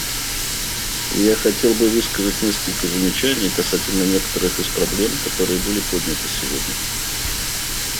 Я хотел бы высказать несколько замечаний касательно некоторых из проблем, которые были подняты сегодня.